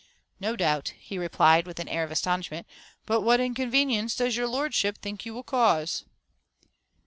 "No doubt," he replied, with an air of astonishment; "but what inconvenience does your lordship think you will cause?"